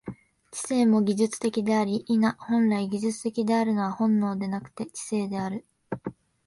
知性も技術的であり、否、本来技術的であるのは本能でなくて知性である。